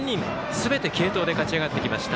すべて継投で勝ち上がってきました。